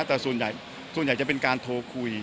ไม่นะครับแต่ส่วนใหญ่จะเป็นการโทรคุย